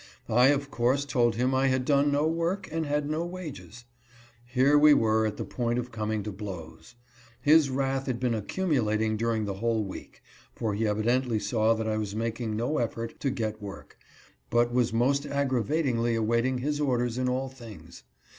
I, of course, told him I had done no work, and had no wages. Here we were at the point of coming to blows. His wrath had been accumulating during the whole week ; for he evidently saw that I was making no effort to get work, but was most aggravatingly awaiting his orders in all things.